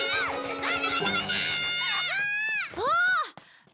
あっ！